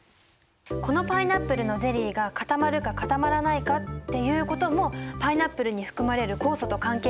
このパイナップルのゼリーが固まるか固まらないかっていうこともパイナップルに含まれる酵素と関係があるんだよ。